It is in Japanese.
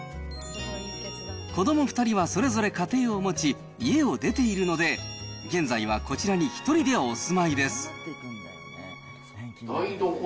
子ども２人はそれぞれ家庭を持ち、家を出ているので、現在はこちらに１人でお住まいです。